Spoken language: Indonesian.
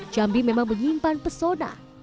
jambi memang menyimpan persona